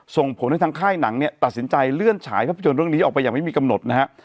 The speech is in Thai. ส่งผลให้ทางค่ายหนังเนี่ยตัดสินใจเลื่อนฉายภาพยนตร์เรื่องนี้ออกไปอย่างไม่มีกำหนดนะฮะ